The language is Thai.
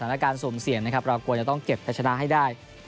ในการส่งเสี่ยงนะครับเรากลัวจะต้องเก็บแต่ชนะให้ได้